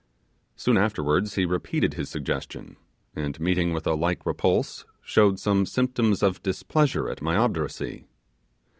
Soon afterwards he repeated his suggestion, and meeting with a little repulse, showed some symptoms of displeasure at my obduracy.